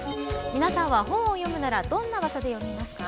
皆さんは、本を読むならどんな場所で読みますか。